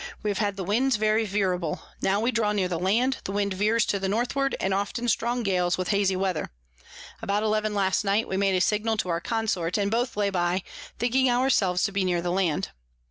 We have had the Winds very veerable. Now we draw near the Land, the Wind veers to the Northward, and often strong Gales with hazy Weather. About eleven last night we made a Signal to our Consort, and both lay by, thinking our selves to be near the Land.